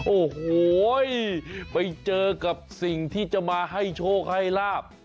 โอ้โหไปเจอกับสิ่งที่จะมาให้โชคให้ลาบ